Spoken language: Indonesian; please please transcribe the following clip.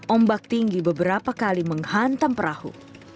ombak tinggi beberapa kali menghantam perahu